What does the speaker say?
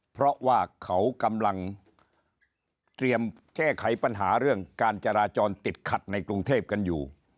เพราะว่าเขากำลังเตรียมแก้ไขปัญหาเรื่องการจราจรติดขัดในกรุงเทพกันอยู่